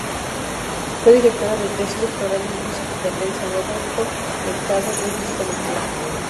Fue directora de tesis doctoral del físico platense Roberto Mercader, en física nuclear.